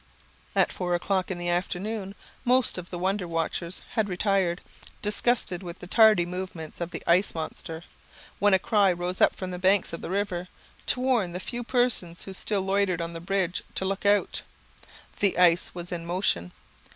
At four o'clock in the afternoon most of the wonder watchers had retired, disgusted with the tardy movements of the ice monster, when a cry arose from the banks of the river, to warn the few persons who still loitered on the bridge, to look out. The ice was in motion.